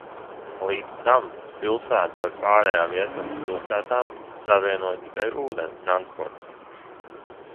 Līdz tam pilsētu ar pārējām Vjetnamas pilsētām savienoja tikai ūdens transports.